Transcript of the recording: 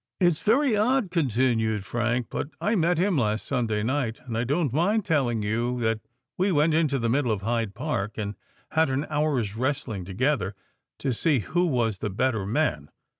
"It's very odd," continued Frank, "but I met him last Sunday night; and I don't mind telling you that we went into the middle of Hyde Park and had an hour's wrestling together, to see who was the better man.